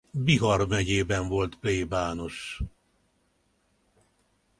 Bihar megyében volt plébános.